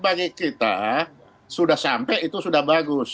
bagi kita sudah sampai itu sudah bagus